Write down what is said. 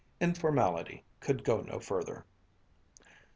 Informality could go no further.